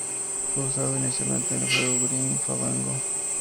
Fue usado inicialmente en el juego Grim Fandango.